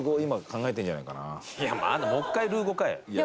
いやもう１回ルー語かよ。